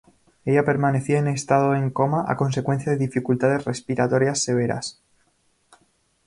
Ella permanecía en estado en coma a consecuencia de dificultades respiratorias severas.